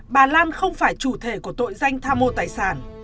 bà lan không phải chủ thể của tội danh tham mô tài sản